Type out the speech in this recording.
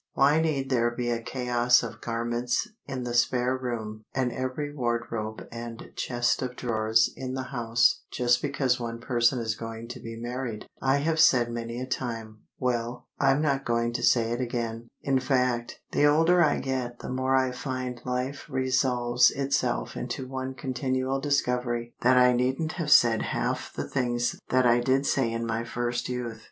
"Why need there be a chaos of garments in the spare room and every wardrobe and chest of drawers in the house just because one person is going to be married?" I have said many a time. Well, I'm not going to say it again. In fact, the older I get the more I find life resolves itself into one continual discovery that I needn't have said half the things that I did say in my first youth.